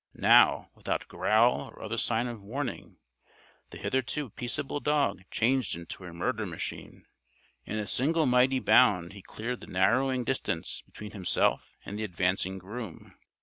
Now, without growl or other sign of warning, the hitherto peaceable dog changed into a murder machine. In a single mighty bound he cleared the narrowing distance between himself and the advancing groom.